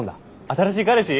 新しい彼氏？